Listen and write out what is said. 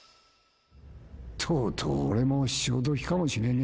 とうとう俺も潮時かもしれねえな。